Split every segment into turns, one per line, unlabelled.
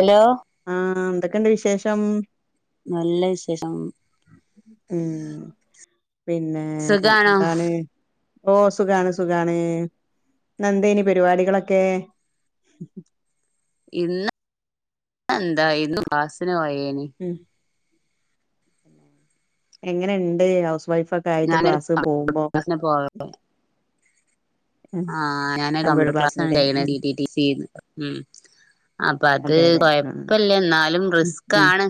Hello
ആ എന്തൊക്കെണ്ട് വിശേഷം
നല്ല വിശേഷം
ഉം പിന്നെ
സുഖാണോ
എന്താണ് ഓ സുഖാണ് സുഖാണ് ന്ന്ന്തേനി പരിപാടികളൊക്കെ
ഇന്ന് എന്താ യിര്ന്നു ക്ളാസിന് പോയേ ഏനി
ഉം എങ്ങനെണ്ട് [unintelligible] വൈഫക്കായിട്ട്
ഞാനൊരു
ക്ലാസ്
കമ്പ്യൂട്ടർ
പോമ്പോ
ആ [unintelligible]
ഉം
ടി. ടി. സി ചെയ്ന്ന് അപ്പ അത്
അതെ അതെ ആഹ്
കൊയപല്യ ന്നാലും
ഉം
റിസ്കാണ്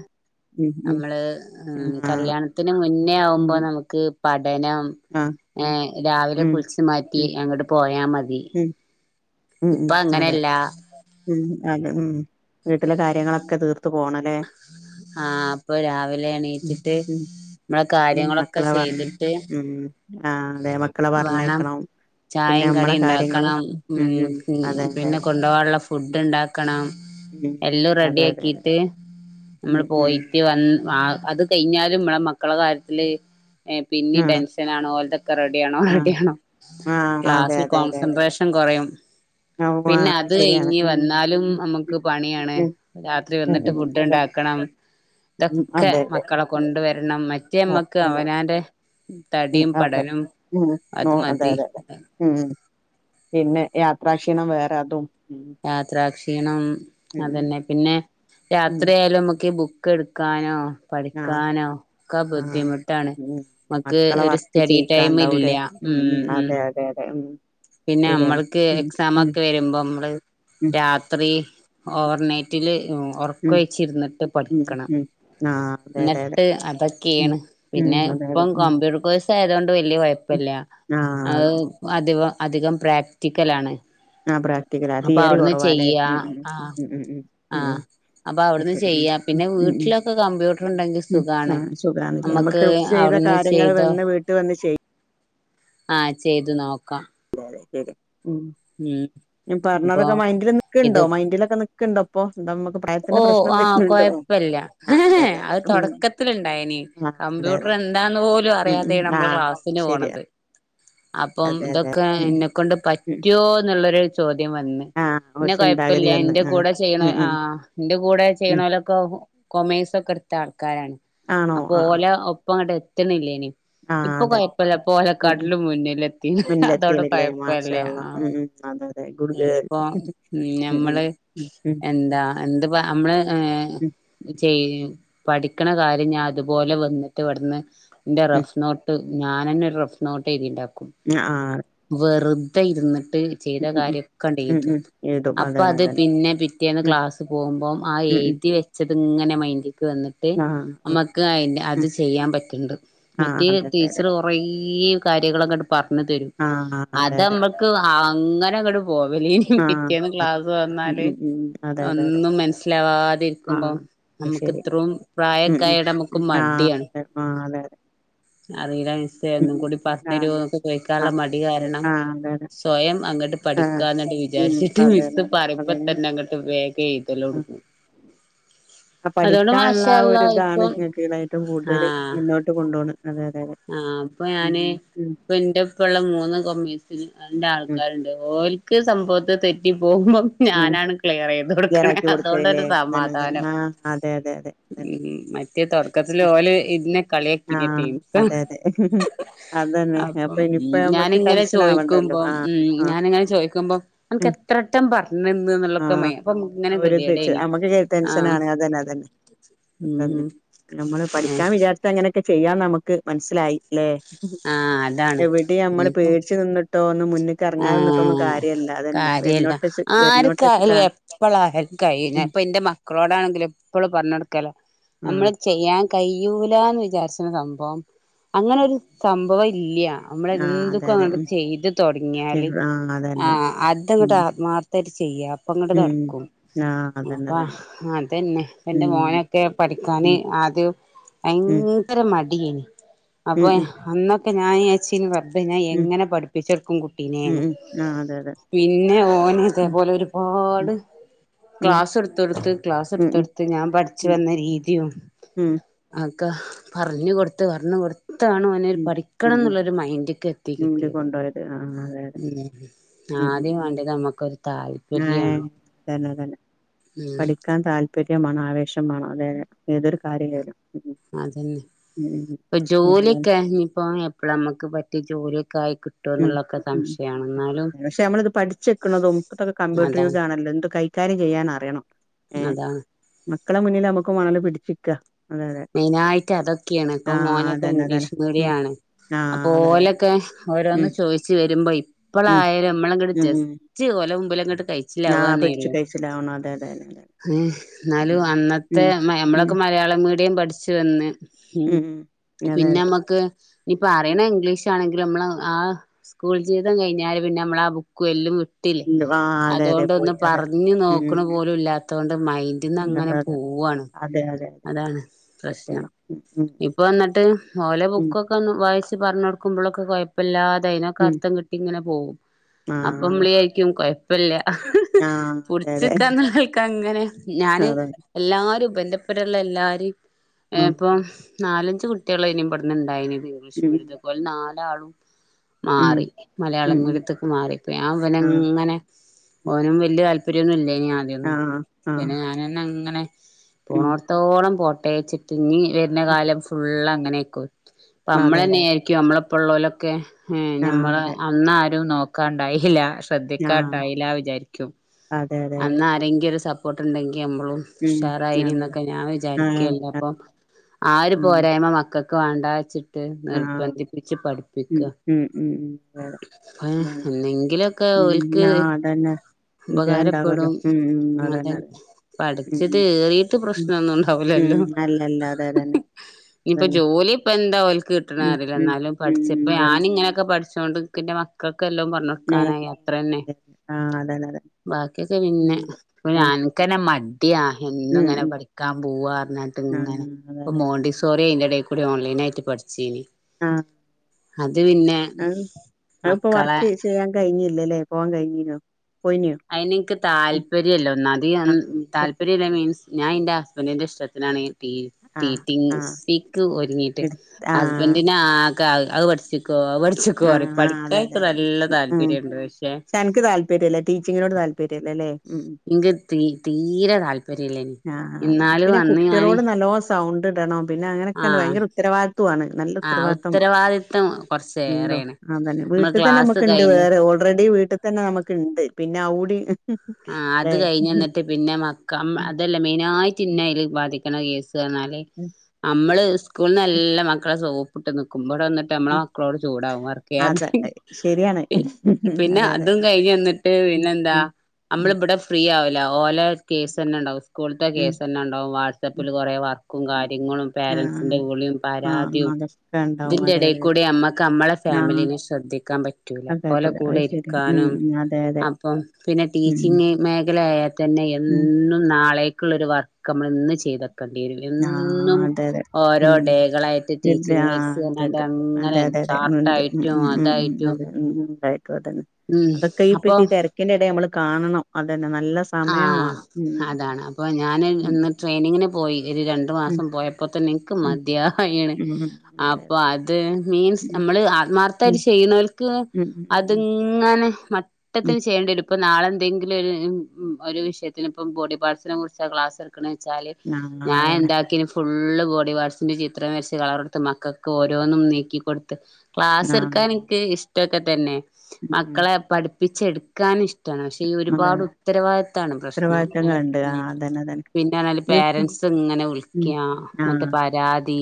ഉം ഉം
നമ്മള്
ആഹ്
കല്യാണത്തിന്
ഉം
മുന്നേ ആകുമ്പോ
ഉം
നമക്ക് വെനം
ആഹ്
ഏ
ഉം
രാവിലെ
ഉം
കുളിച്ച് മാറ്റി
ഉം
അങ്ങട്ട് പോയാ മ
ഉം ഉം
ഇപ്പ
ഉം അതെ
അങ്ങനെല്ല
ഉം അതെ ഉം വീട്ടിലെ കാര്യങ്ങളൊക്കെ തീർത്ത് പോണല്ലേ
ആ അപ്പൊ രാവിലെ
ഉം
എണീറ്റിട്ട്
ഉം
നമ്മടെ
ഉം
കാര്യങ്ങളൊക്കെ
മക്കളെ പറഞ്ഞ്
ചെയ്തിട്ട്
ഉം ആഹ് അതെ മക്കളെ
വേണം
പറഞ്ഞേക്കണം പിന്നെ
ചായയും
നമ്മളെ
കടിയും
കാര്യങ്ങളും
ഉണ്ടാക്കണം ഉം
അതെ അതെ
പിന്നെ
അതെ
കൊണ്ടുപോകാനുള്ള ഫുഡ് ഉണ്ടാക്കണം ആം
ഉം ഉം.
എല്ലൊം റെഡി
അതെ അതെ അതെ
ആക്കീട്ട് നമ്മള്
ഉം ഉം
പോയിട്ട് വന്ന് ആ അത് കഴിഞ്ഞാലും ഇമ്മളെ മക്കള കാര്യത്തില് പിന്നെയും
ആഹ്
ടെൻഷൻ ആണോ ഓലതൊക്കെ റെഡിയാണോ
ആഹ്
റെഡിയാണോ
ആഹ് അതെ
ക്ലാസ്സിൽ
അതെ അതെ അതെ
കോൺസെൻട്രേഷൻ കുറയും
ഉവ്വ
പിന്നെ അത്
ശരിയാണ്
കഴഞ്ഞ്
ഉം
വന്നാലും
ഉം
നമുക്ക് പണിയാണ്
ഉം
രാത്രി
ഉം
വന്നിട്ട്
ഉം
ഫുഡ്
ഉം അതെ
ഉണ്ടാക്കണം
ഉം
ഇതൊക്കെ
അതെ അതെ
മക്കളെ
ഉം
കൊണ്ടുവരണം മറ്റേ
ആഹ്
നമ്മക്ക്
അതെ
അവനാന്റെ
ഉം
തടിയും
അതെ
പഠനോം
ഉം ഓ
അത്
അതെ
മതി
അതെ അതെ ഉം ഉം. പിന്നെ യാത്രാക്ഷീണം വേറെ അതും ഉം
യാത്രാക്ഷീണം
ഉം
അതന്നെ പിന്നെ
ഉം
രാത്രിയാലും നമ്മുക്ക് ബുക്ക് എടുക്കാനോ
ആഹ്
പഠിക്കാനോ ഒക്കെ
ആഹ്
ബുദ്ധിമുട്ടാണ്
ഉം
നമക്ക്
മക്കളെ
ഒരു
വർക്ക്
സ്റ്റഡി ടൈം ഇല്ല
ചെയ്യിക്കാണ്ടാവൂലേ
ഉം ഉം
അതെ അതെ അതെ ഉം
പിന്നെ
ശരിയാണ്
നമ്മൾക്ക്
ഉം
എകസാം
ഉം
ഒക്കെ
ഉം
വരുമ്പോ നമ്മള് രാത്രി
ഉം
ഓവർനൈറ്റില് ഉറക്ക
ഉം
ഒഴിച്ചിരുന്നിട്ട്
ഉം
പഠിക്കണം
ഉം ആഹ് അതെ അതെ അതെ
എന്നിട്ട്
ഉം
അതൊക്കെയാണ്
ഉം
പിന്നെ
അതെ അതെ
ഇപ്പം
ഉം
കമ്പ്യൂട്ടർ കോഴ്സ് അതായോണ്ട് വലിയ
ഉം
കൊയപ്പല്ല
ആഹ് അതെ അതെ
അതികം അധികം പ്രാക്ടിക്കലാണ്
ആ പ്രാക്ടിക്കലാ
അപ്പൊ
തിയറി
അവിടുന്ന്
കുറവാല്ലെ ഉം ഉം ഉം ഉം
ആ
ഉം
അപ്പൊ
അത്
അവിടുന്ന്
ശരി
ചെയ്യാം
ഉം
പിന്നെ
ഉം ഉം ഉം
വീട്ടിലൊക്കെ കമ്പ്യൂട്ടർ ഉണ്ടെങ്കിൽ
ഉം
സുഖാണ്
ആഹ് സുഖാണല്ലേ
നമ്മുക്ക് അവിടുന്ന് ചെയ്തോ
ചെയ്യ
ആ ചെയ്തു നോക്കാം
ആതെ
ഉം
ഉം
ഇപ്പൊ
പറഞ്ഞതൊക്കെ മൈന്റില്
ഇത്
നിക്കണ്ടോ മൈൻന്റിലൊക്കെ ഒക്ക ഉണ്ട അപ്പോ
ഓ ആ കൊയപ്പില്ല
ആഹ് അതെ അതെ അതെ
അത്
ഉം
തുടക്കത്തിൽ ഇണ്ടായിനി
ആഹ് അതെ അതെ
കമ്പ്യൂട്ടർ
അതെ
എന്താന്ന് പോലും
ഉം ഉം
അറിയാതെയാ നമ്മള്
ആഹ്
ക്ലാസ്സിന്
ശരി
പോണത് അപ്പം
അതെ അതെ
തൊക്കെ
ഉം
എന്നെക്കൊണ്ട്
ഉം
പറ്റുവോന്നുള്ളൊരു ചോദ്യം വന്ന്
ആഹ് ഒരു
പിന്നെ കുഴപ്പില്ല
ചിന്താഗതി വന്ന്
എന്റെ
ആഹ്
കൂടെ ചെയ്യണ
ഉം ഉം
ആ- ന്റെ കൂടെ
ഉം
ചെയ്യ്ണോലൊക്കോ കൊമേഴ്സ് ഒക്കെ എടുത്ത ആൾക്കാരാണ്
ആണോ
അപ്പൊ
ആഹ്
ഓലെ ഒപ്പം ങ്ങടെത്ത്ണില്ലേനി
ആഹ്
ഇപ്പൊ
അതെ
കുഴപ്പില്ല
ഉം ഉം
പ്പോലക്കാട്ടിലും മുന്നിലെത്തി അതോടെ
മുന്നിലെത്തിണില്ലേ
കുഴപ്പല്ല
മാഷാ അള്ളാ
ആ
ഉം ഉം അതെ അതെ ഗുഡ് ഗേൾ
ഇപ്പൊ
ഉം ഉം
ഞമ്മള്
ഉം ഉം
എന്താ- എന്ത് അമ്മള്
ഉം
ചെയ പഠിക്കണ കാര്യം ഞാൻ അതുപോലെ വന്നിട്ട് ഇവിടുന്ന് ന്റെ
ഉം
റഫ് നോട്ട് ഞാനെന്നെ ഒരു റഫ് നോട്ടെയ്തിണ്ടാക്കും
അ ആഹ്
തെ ഇര്ന്ന് ട്ട് ചെയ്ത
ഉം ഉം
കാര്യം ഒക്കെയാണ്ട്
ഉം ഉം
എഴ്തും
ഉം എഴുതും
അപ്പ
അതന്നെ
അത്
അതന്നെ
പിന്നെ പിറ്റേന്ന്
ഉം
ക്ലാ പോവുമ്പോ ആ
ഉം ഉം
എഴ്തി വെച്ചെത് അത് ഇങ്ങനെ മൈന്റ് ക്ക് വന്ന്ട്ട്
ആഹ് ആഹ്
അമ്മക്ക് അയ്ന്റെ
ഉം
അത് ചെയ്യാൻ പറ്റ് ഇണ്ട്
ആഹ്
മറ്റെ
അതെ അതെ അതെ
ടീച്ചർ കുറെ കാര്യങ്ങളൊക്കെ ഇങ്ങട്ട് പർണ് തെരും
ആഹ് അതെ
അത്
അതെ
അമ്മക്ക് അങ്ങനെ ഇങ്ങട്ട് പോവലെനിം
ആഹ്
പിറ്റേന്ന്
അതെ
ക്ലാസ്
ഉം
വന്നാൽ
ഉം ഉം അതെ അതെ അതെ
ഒന്നും മനസ്സിലാവാതിര്ക്കുമ്പം
ആഹ് അത്
നമുക്ക്
ശരി
ഇത്രോം പ്രാ
ഉം
യൊക്കെ
ഉം
ആയാരെ നമ്മക്ക്
ഉം ആഹ്
മടിയാണ്
അതെ ആഹ് അതെ അതെ
[unintelligible] മിസേ
ഉം ഉം
ഒന്നുകൂടി പറഞ്ഞു തരുമോ
ആഹ്
എന്നൊക്കെ ചോദിക്കാള്ള മടി
ആഹ്
കാരണം
ആഹ് അതെ അതെ
സ്വയം അങ്ങ്ട്-
ആഹ്
പഠിക്കാന്നട്ട്
ഉം
വിചാരിച്ചിട്ട് മിസ്സ്
അതെന്നെല്ലെ
പറയുമ്പ
അതാണ്
തന്നെ അങ്ങട്ട് വേഗം
ആഹ്
ഏയ്‌തലൊടങ്ങും-
ആ പഠിക്കാനുള്ള ആ ഒരു ഇതാണ്
ഇപ്പം
ങ്ങക്ക് ഇതായിട്ട് കൂടുതല്
ആഹ്
മുന്നോട്ട് കൊണ്ടോണേ-
ആഹ് പ്പൊ ഞാന്
ഉം
പ്പന്റെപ്പള്ള മൂന്ന് കൊമേഴ്സിന്
ഉം
രണ്ടാൾക്കാര്ണ്ട് ഓൽക്ക് സംഭവത്ത് തെ റ്റി- പോകുമ്പം
ഉം
ഞാനാണ് ക്ലിയർ ചെയ്യ് കൊട്ക്ക്‌ണേ
ക്ലിയറാക്കി
അതുകൊണ്ടൊരു
കൊടുക്കലില്ലേ അതന്നെ അതന്നെ
സമാധാനം
ആഹ് അതെ അതെ അതെ അതന്നെ
ഉം മറ്റേ തൊടക്കത്തില് ഓല് ഇന്നെ കളിയ ക്കിനി
ആഹ്
ടീംസ് ആണ്.
അതെ അതെ അതന്നെ
അപ്പം
അപ്പൊ ഇനിയിപ്പ നമ്മക്ക്
ഞാനിങ്ങനെ
ടെൻഷൻ ആവണ്ടല്ലോ
ചോയ്ക്കുമ്പം ഉം
ആഹ് ആഹ്
ഞാനിങ്ങനെ ചോയ്ക്കുമ്പം
ഉം
അൻക്കെത്രട്ടം പർഞ്ഞെന്ന്ന്നുള്ളൊക്കെ
ആഹ്
മയ അപ്പ-
ആ ഒരുത് വച്ച് അമ്മ്ക്ക് ടെൻഷനാണ് അതെന്നെ അതന്നെ
ഉം
തന്നെ
ഉം
നമ്മള്
ഏഹ്
പഠിക്കാൻ വിചാർച്ച ങ്ങനെ- ഒക്കെ ചെയ്യാൻ നമുക്ക് മനസ്സിലായി ല്ലേ-
ആഹ് അതാണ്
എവിടെയമ്മള്
ഇനിയിപ്പം
പേടിച്ചു നിന്നിട്ടോ- മുന്ന്ക്ക് എറങ്ങാതെ നിന്നിട്ടൊന്നും
ആഹ്
കാര്യല്ല അതന്നെ
കാര്യല്ല
വരുന്നോട്ത്തെച്ച് വരുന്നോട്ത്തെച്ച് ക
ആരിക്ക കഴിയഞ്ഞ ഇപ്പൊ എന്റെ മക്കളോടാണെങ്കിലും എപ്പോഴും പറഞ്ഞെടുക്കല്ലോ നമ്മള്
ആഹ്
ചെയ്യാൻ കഴയൂലന്ന് വ വിചാരിച്ചന സംഭവം അങ്ങനെ ഒരു സംഭവം ഇല്ല നമ്മള്
ആഹ് അതെ
എന്തക്കും
അതെ
അങ്ങന്
ഉം
ചെയ്ത് തുട ല്
ശരി ആഹ്
ആ
അതന്നെ
അതങ്ങട്ട്
ഉം
ആത്മാർത്ഥട്ട ചെയ്യാ അപ്പ അങ്ങോട്ട്
ഉം
നടക്കും
ആഹ് അതന്നെ
അപ്പ
അതന്നെ
അതന്നെ എന്റെ
ഉം
മോനൊക്കെ പഠിക്കാന്
ഉം
ആദ്യ
ഉം
ഭയങ്കര മാടിയണി
ഉം
അപ്പൊ
ഉം
അന്നൊക്ക ക്കെഞൻ അച്ചീ പറഞ്ഞ അ
ഉം
എങ്ങനെ പഠപ്പിചോട്ക്കും കുട്ട പി
ഉം ഉം ആഹ് അതെ അതെ
പിന്നെ
ഉം
ഓനെതേപോലെ
ഉം
ഒരുപാട്
ഉം
ക്ലാസ് എടുത്തടുത്ത് ക്ലാസ്
ഉം ഉം
എടുത്ത്ടുത്ത് ഞാൻ പഠിച്ചു
ഉം
വന്ന രീതിയും
ഉം
ക്ക പറഞ്ഞു കൊടുത്ത് പറഞ്ഞു കൊടുത്ത് ഇത്തണ അവനരു
ഉം
പഠിക്കണം
ഉം ഉം
എന്നുള്ളൊരു മൈൻഡക്ക് എത്തി
ഇങ്ങട്
കിട്ടിയത്
കൊണ്ടോയത് ആഹ് അതെ അതെ
ഉം
ഉം ഉം
ആദ്യം വണ്ടി നമ്മുക്കൊരു താല്പര്യണ
ഏഹ് അതന്നെ
ഉ
കൃത്മാണ് ആവേശമാണ് അത ഏതൊരു കാര്യാലും
അതന്നെ ഇപ്പൊ
ഉം ഉം
ജോലിയൊക്കെ ഇപ്പ എപ്പോഴ നമ്മുക്ക് പറ്റിയ ജോലിയൊക്കെ ആയി കിട്ടുവ
ഉം
എന്നുള്ളൊക്കെ സംശയമാണ് എന്നാലും
പക്ഷെ നമ്മളിത് പഠിച്ചെക്കണത നമുക്ക്തൊക്കെ കമ്പ്യൂട്ടർ യുഗ
അതാണ്
ആണല്ലോ എന്ത് കൈകാര്യം ചെയ്യാൻ അറിയണം ഏ
അതാണ്
മക്കളെ മുന്നിൽ നമുക്ക് വേണല്ലോ പിടിച്ചെക്ക
മെയിന ആയിട്ട് അതൊക്കെയാണ് ഇപ്പൊ
ആഹ്
മോനൊക്കെ
അതന്നെ അതന്നെ
ഇംഗ്ലീഷ്
ഉം
മീഡിയണ് അപ്പൊ
ആഹ് അതെ അതെ
ഓലൊക്കെ ഓ
ഉം
ന്ന് ചോദിച്ചു വരുമ്പോ ഇപ്പള
ഉം
ആരം എമ്മള കട്ട
ഉം ഉം
ജസ്റ്റ് കൊല മുമ്പല
ആഹ് പിടിച്ചു
കഴിച്ചില്ലാവന്നേള്ളൂ
കഴിച്ചിലാവണം അതെ അതെ അതെ അതെ
ഏ എന്നാലും
ഉം
അന്നത്തെ
ഉം ഉം
നമ്മളൊക്കെ മലയാളം മി അയും പഠിച്ചു വന്ന് ഉം പിന്നെ നമ്മക്ക് നീപ്പ പറയണ ഇംഗ്ലീഷ് ആണെങ്ക നമ്മള ആ സ്കൂൾ ജീവിതം കഴിഞ്ഞാല് പിന്നെ നമ്മള ആ ബുക്കും എല്ലാം വി ട്ടേ
ഉം ആഹ് അതെ അതെ
അതുകൊണ്ടൊന്ന്
പോയി അതെ
പറഞ്ഞു
ഉം
നോക്കണ പോലും ഇല്ലാത്ത കൊണ്ട് മൈന്റിന്ന്
ഉം
അങ്ങനെ
അതെ അതെ
പോവാണ്
അതെ അതെ അതെ
അതാണ് പ്രശ്നം
ശരിയാണ് ഉം ഉം
ഇപ്പൊ വന്നിട്ട് മലെ
ഉം
ബുക്കൊക്കെ ഒ വായിച്ച പറഞ്ഞ കൊടുക്കുമ്പോഴൊക്കെ കുഴപ്പമില്ലാ തിനൊക്കെ
ഉം
അർത്ഥം കിട്ടി ഇങ്ങനെ പോകും
ആഹ് അതെ
അപ്പൊമ്മ്ളിയായിരിക്കും വല്ല
ആഹ് അതെ അതെ
പുടിച്ചക്കെന്നൾക്ക് അങ്ങനെ ഞാന്
അതെ
എല്ലാരും പ്പൻ്റെ- ഇവിടെള്ള എല്ലാര്
ഉം
ഏപ്പം- നാലഞ്ച് കുട്ടികൾ അയ്ന് ഇബട്ന്നുണ്ടായിന് ഇംഗ്ലീഷ്
ഉം.
മീഡിയത്തെ പോലെ നാല് താളും
ഉം.
മാറി
ഉം. ഉം.
മലയാളമീഡിയത്തേക്ക് മാറിപ്പ ഞാൻ ഇവനെ
ആ.
ഇങ്ങനെ
ഉം.
ഓനും വല്യ താല് ദൂരെന്നല്ലേ ആദ്യം
ആ.
ഒന്നും
ആ.
പിന്നെ ഞാനന്നങ്ങനെ ന്നെ
ഉം.
പോണോടത്തോളം പോട്ട് തേച്ചിട്ടിനി വരുന്ന കാലം ഫുള്ളങ്ങ അങ്ങനെക്കോ
അതെ,
ഇപ്പമ്മളന്നെ
അതെ.
ആയിരിക്കും മ്മള് പ്പൊള്ളൊലൊക്കെ ഹും
ആ.
ഞമ്മള്
അതെ.
അന്നാരും നോക്ക് ക്കണ്ടായ്ഹില്ല
ആ.
ശ്രദ്ധിക്കാണ്ടായില്ല വിചാരിക്കും
അതെ, അതെ, അതെ.
അന്ന് ആരെങ്കിലും സപ് പോട്ടുണ്ടങ്കി എംപ്ലോമ്
ഉം.
ഉഷാറായി
അതെ.
എന്നൊക്കെ ഞാൻ
ആ.
വിചാരിക്കുകല്ലോ
അതെ.
അപ്പം ആ ഒരു
ഉം.
പോരായ്മ മക്കൾക്ക് ക്ക് വേണ്ടാച്ചിട്ട് ട്ട്
ആ.
നിർബന്ധിപ്പിച്ച്
ഉം.
പഠിപ്പിക്കുക
ഉം. ഉം. ഉം. അതെ, അതെ.
അ
ആ.
എന്തെങ്കിലൊക്കെ
ഉം.
ഓല്ക്ക്
ആ അതന്നെ. വിജയം ഉണ്ടാവല്ലോ.
ഉപകാരപ്പെടും
ഉം. ഉം.
അതെ
അതന്നെ, അതന്നെ. ഉം.
പഠച്ചത്
ഉം.
ഏറിയിട്ട്
ഉം.
പ്രശ്നമൊന്നും ഹ്ഉണ്ടാവൂലല്ലോ
ഉം.
ഹി
അല്ല, അല്ല. അതെ, അതന്നെ.
ഹി ഇനിയിപ്പൊ
അതന്നെ.
ജോലി ഇപ്പ എന്താ ഓല്ക്ക്‌
ഉം.
കിട്ടണറില്ല
ഉം.
എന്നാലും
ഉം.
പഠിച്ചപ്പ ഞാന്
അതന്നെ.
ഇങ്ങനെയൊക്കെ പഠിച്ച പിടിച്ചോണ്ട് ക്ക്ന്റെ മക്കക്ക് ക്ക് എല്ലാം പറഞ്ഞ് കൊടുക്കാനായി അത്ര തന്നെ
ആ. അതെ, അതെ. ആ. അതന്നെ, അതന്നെ.
ബാക്കിയൊക്കെ
ഉം.
പിന്നെ നക്ക്ന്നെ മടിയ എന്നും
ഉം.
ഇങ്ങനെ
ഉം.
പഠിക്കാൻ പോവാറഞ്ഞിട്ട്
ആ.
ഇങ്ങനെ
അതെ,
ഇപ്പ
അതെ.
മോണ്ടിസോറി ഇതിന്റ ടെകൂടെ ഓൺലൈൻ ആയിട്ട് പഠിച്ച് ശരി
ആ.
അത് പിന്നെ
അത്
മക്കളെ-
ഇല്ലല്ലേ പോവാൻ കഴിഞ്ഞീനോ
അതിനെയ്ക്ക് താല്പര്യല്ല ഒന്നാത് അന്
ആഹ്
താല്പര്യല്ല മീൻസ് ഞാൻ ഇൻ്റെ ഹസ്ബന്റിന്റെ ഇഷ്ടത്തിനാണെങ്കി റ്റി
ആഹ്
ട്ടിട്ടിങ്
ആഹ്
സി ക്ക് ഒരുങ്ങിട്ട്
എടു ആഹ്
ഹസ്ബൻഡന്റെന് ആകെ ക്കാ അത് പഠിച്ചിട്ട് ഓ പഠിച്ചൊക്കെ പറിം
ആഹ് ആഹ് അതെ അതെ
പഠിക്കാനിൻക്ക്
അതെ
നല്ല
ഉം
താല്പര്യംണ്ട് പക്ഷെ
നോട്‌ താല്പര്യംല്ല ല്ലേ
ഇൻക്ക് തീ തീരെ താല്പര്യല്ലെന്ന്
ആഹ് അതന്നെ
എന്നാലും
പിന്നെ
അന്ന് ഞാന്
കുട്ടികളോട് നല്ലോ സൗണ്ട് ഇടണം പിന്നെ അങ്ങനൊക്കെണ്ട്
ആഹ്
ഭയങ്കര ഉത്തരവാദിത്വാണ് നല്ല
ആഹ്
ഉത്തരവാദിത്തം വാണം
ഉത്തരവാദിത്തം
ഉണ്ടോ
കൊറച്ചേറേണ്
അതന്നെ
നമ്മള്
വീട്ടിൽ തന്നെ
ക്ലാസ്
നമുക്ക് ണ്ട്
കഴിഞ്ഞ്
വേറെ ഓൾറെഡി വീട്ടിൽ തന്നെ നമ്മക്ക് ണ്ട് പിന്നെ അവ്വൂടി
ആ അത് കഴിഞ്ഞെന്നിട്ട് പിന്നെ മക്ക അതെല്ല മൈനായി പിന്നെയില് ബാധ്യ ഠിക്കണ കേസ് ന്നാല് നമ്മള് സ്കൂളന്ന് നല്ലാ മക്കളെ സൊ കുട്ട നിക്കും ബടെ വന്നട്ട് നമ്മളെ മക്കളോട് ചൂടാവും
അതെ
വറക്കെയത്തേന്
ശരിയാണ്
പി പിന്നെ
അതെ അതെ
അതും കഴിഞ്ഞെന്നിട്ട്
ഉം
പിന്നെന്താ
ഉം ഉം
അമ്പള് വടെ ഫ്രീ ആവൂല ഓലെ കേസെന്നെണ്ടാവും സ്കൂളത്തെ
ഉം
കേസെന്നെണ്ടാവും
ഉം
വാട്സആപ്പില് കുറേ വർക്കും കാര്യങ്ങളും
ആഹ്
പേരൻറ്സിന്റെ വിളീം
ആഹ്
പരാതിം
അതൊക്കെ ഉണ്ടാവും അതെ അതെ അതെ
ഇതിന്റെടെകൂടി അമ്മക്ക് അമ്മളെ
ആഹ്
ഫാമിലീനെ ശ്രദ്ധിക്കാൻ പറ്റൂല
ഒക്കെ
ഓലെ
കേട്ടിട്ടുണ്ട്
കൂടെ
അത് ശരിയാ ഉം
ഇരിക്കാനും
ഉം, അതെ അതെ
അപ്പം പിന്നെ
ഉം
ടീച്ചിങ് മേഖല ആയാ തന്നെ
ഉം
എന്നും നാ നാളേക്കുള്ള ഒരു വർക്ക് അമ്മള് ഇന്ന് ചെയ്തക്കണ ക്കേണ്ടറും
ആഹ്
എന്നും
അതെ അതെ
ഓരോ
ഉം
ഡേകളായിട്ട്
ഇത്
ടീച്ചിങ് എയ്ഡ്‌സ്
ആഹ്
പറഞ്ഞാണ്ട്
ഇണ്ട്ണ്ട്
അങ്ങനെ
അതെ അതെ അതെ ഉണ്ട്
ചാർട്ടായിട്ടും അതായിട്ടും
അതെന്നെ
ഉം
അതൊക്കെ ഇപ്പോ ഈ തിരക്കിന്റെടെ നമ്മള് കാണണം അത്
ആ അതാണ്
അതെ
അപ്പൊ ഞാന്
ഉം
ഇന്ന് ട്രെയിനിങ്ങിന് പോയി ഒരു രണ്ടു
ഉം
മാസം പോയപ്പോ തന്നെ ഇൻക്ക്
ഉം
മതിയായിണ്
ഉം ഉം അതെ
അപ്പൊ
അതെ
അത് മീൻസ്
ഉം
നമ്മള്
ഉം
ആത്മാർത്ഥായിട്ട് ചെയ്യുനോൽക്ക്
ഉം
[unintelligible]
ഉം ഉം
അത്ങ്ങനെ പ്പോ
ഉം
ത്തെനും ചെയ്യേണ്ടിരുപ്പോ നാളെന്തെങ്കിലും ഒരു- ഉം ഒരു വിഷയത്തിന് ഇപ്പം ബോഡി പാർട്സിനെ കുറിച്ച് ക്ലാസ് വെച്ചാൽ
ആഹ്
ഞാൻ
അതന്നെ
എന്താക്ക- ഫുള്ള് ബോഡി വാർട്സിന്റെ ചിത്രം വരച്ച് കളർ കൊടുത്ത് മക്കൾക്ക് ഓരോന്നും നീക്കിക്കൊടുത്ത് ക്ലാസ്
ആഹ്
എടുക്കാൻ എനിക്ക് ഇഷ്- അതൊക്കെതന്നെ
ഉം ഉം
മക്കളെ പഠി- പഠിപ്പിച്ചെടുക്കാൻ ഇഷ് പക്ഷെ ഈ
അതെ
ഒരുപാട്-
അതെ
ഭാഗത്താണ് പ്രശ്നം ഉം
ഉത്തരവാദിത്തങ്ങളുണ്ട് ആഹ് അതന്നെ അതന്നെ
പിന്നെല്
ഇതിപ്പോ
പേരൻസ് ഇങ്ങനെ
ഉം
വിളിക്കാ
ആഹ്
എന്നത്തെ
അതെ അതെ
പരാതി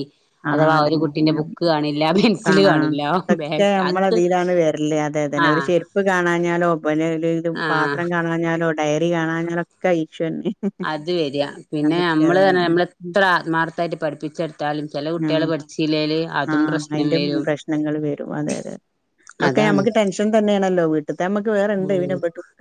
ആഹ്
അഥവാ ഒരു
അതന്നെ
കുട്ടിന്റെ
ഇങ്ങനെ
ബുക്ക് കാണില്ല പെൻസില്
കാണാ
കാണില്ല
ഇതൊക്കെ
ബാഗ് അത്
നമ്മളതിലാണ് വരല്
ആ
ഇല്ലേലും പാത്രം കാണഞ്ഞാലോ ഡയറി കുപ്പികാണാന്നല്ലോ
അത് വരിക പിന്നെ നമ്മള്
അതന്നെ
തന്നെ നമ്മള എത്ര ആത്മാർത്ഥായിട്ട് പഠിപ്പിച്ചെടുത്താലും ചില കുട്ടികള്
ആഹ്
പഠിച്ചില പഠിച്ചില്ലേല് അതും
ആഹ്
പ്രശ്നം
അയിന്റെ
വരും
പ്രശ്നങ്ങൾ വരും അതെ അതെ
അതാണ്
ത്തെ നമ്മക്ക് വേറെ എന്ത
ഉം
[unintelligible]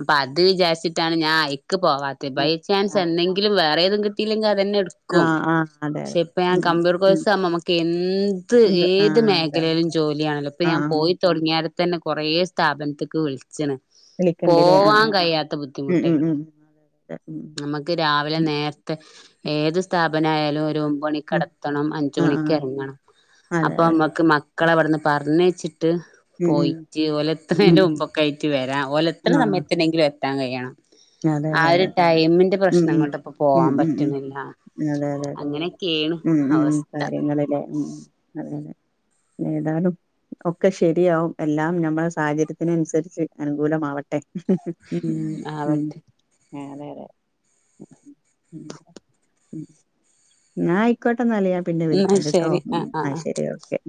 അപ്പൊ അത് വിചാരിച്ചിട്ടാണ് ഞാൻ ആയിക്ക് പോവാതെ ബൈ
ഉം
ചാൻസ്
ആഹ്
എന്തെങ്കിലും വേറെ എതെങ്കിലും [unintelligible] പിന്നെഎടുക്കും
ആഹ് അതെ അതെ
പക്ഷെ ഇപ്പ ഞൻ
ഉം
കമ്പ്യൂട്ടർ
ഉം
കോഴ്സ് ആുമ്പോ നമക്ക് എന്ത്
ഉണ്ട്
ഏത്
ആഹ് അതെ
മേഖലയിലും ജോലിയാണല്ലോ ഇപ്പൊ ഞാൻ
ആഹ്
പോയി തുടങ്ങിയാലന്നെ കുറയെ സ്ഥാപനത്തിക്ക് വിളി- അച്ഛന്
വിളിക്കണ്ട്ല്ലേ
പോവാൻ
ആഹ്
കഴിയാത്ത
ഉം
ബുദ്ധിമുട്ടേള്ളൂ
ഉം
നമുക്ക് രാവിലെ നേരത്തെ ഏത് സ്ഥപ- അവനായാലും ഒരു-
ഉം
മണിക്കടത്തണം അഞ്ച് മണിക്ക് ഇറങ്ങണം
അതെ
അപ്പൊ
അതെ
നമ്മക്ക് മക്കള അവിടന്ന് പറഞ്ഞ് ച്ചി [unintelligible] ട്ട്
ഉം ഉം
പോയിചിപോലെ [unintelligible]
ഉം
ഫിലുംമ്പൊക്ക ആയിട്ട് വരാ ഓലെത്ത
ആഹ്
സമയത്ത് [unintelligible] വരാ എത്താൻ കഴിയണം
ആഹ് അതെ അതെ ഉം ഉം ഉം ആഹ് അതെ
ആ
അതെ
ഒരു
അതെ
ടൈമിന്റെ
ഉം
പ്രശ്നങ്ങേണ്ട് ഇപ്പോ
ഉം ഉം
പോവാൻ
ഉം ഉം
പറ്റുന്നില്ല
അതെ അതെ അതെ
അങ്ങനെക്കെ-
ഉം ഉം കാര്യങ്ങളല്ലേ ഉം അതതെ ഏതാലും ഒക്കെ ശരിയാവും എല്ലാം നമ്മള സാഹചര്യത്തിന് അനുസരിച്ച് അനുകൂലമാവട്ടെ
ഉം
ഉം
ആവട്ടെ
ആ അതെ അതെ ഞായി [unintelligible] [unintelligible] പിന്നെ വിളിക്കാ കേട്ടോ ഉം ആ ശെരി ഓക്കെ